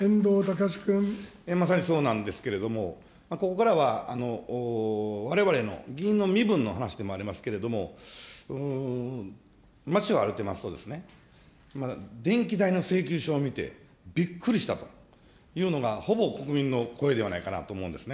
まさにそうなんですけれども、ここからは、われわれの議員の身分の話でもありますけれども、街を歩いてますと、電気代の請求書を見て、びっくりしたというのが、ほぼ国民の声ではないかなと思うんですね。